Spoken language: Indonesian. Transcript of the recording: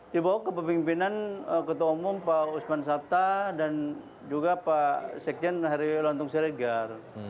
di bawah kepemimpinan ketua umum pak osman sabta dan juga pak sekjen nahriyo lontong seregar